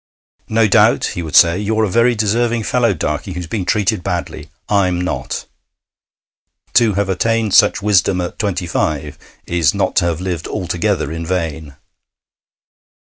'No doubt,' he would say, 'you're a very deserving fellow, Darkey, who's been treated badly. I'm not.' To have attained such wisdom at twenty five is not to have lived altogether in vain.